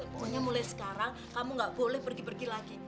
pokoknya mulai sekarang kamu gak boleh pergi pergi lagi